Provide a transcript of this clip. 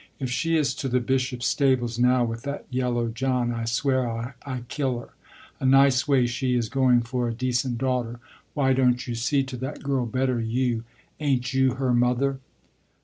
"If she is to the Bishops' stables now with that yellow John, I swear I kill her. A nice way she is going for a decent daughter. Why don't you see to that girl better you, ain't you her mother!"